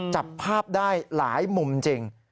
จับภาพได้หลายมุมจริง